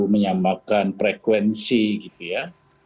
menyamakan frekuensi gitu ya